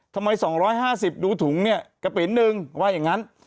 ทำไม๒๕๐ดูถุงเนี่ยกระปินหนึ่งว่าอย่างนั้น